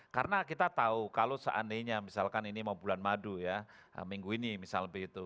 karena kita tahu kalau seandainya misalkan ini mau bulan madu ya minggu ini misalnya begitu